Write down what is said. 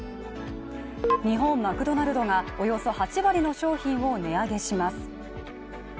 日本マクドナルドがおよそ８割の商品を値上げします。